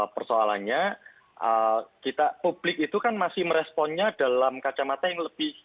persoalannya kita publik itu kan masih meresponnya dalam kacamata yang lebih